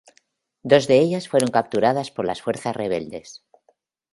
Dos de ellas fueron capturadas por las fuerzas rebeldes.